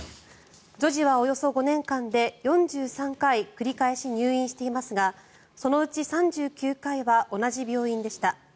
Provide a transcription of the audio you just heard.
女児はおよそ５年間で４３回繰り返し入院していますがそのうち３９回は同じ病院でした。